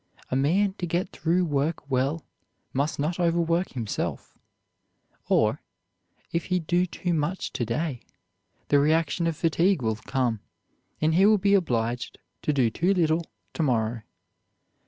A man to get through work well must not overwork himself; or, if he do too much to day, the reaction of fatigue will come, and he will be obliged to do too little to morrow.